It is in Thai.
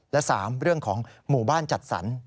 และ๓เรื่องของหมู่บ้านจัดสรร